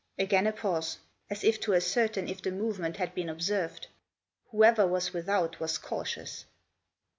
Again a pause ; as if to ascertain if the movement had been observed. Whoever was without was cautious.